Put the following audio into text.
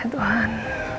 ya allah tuhan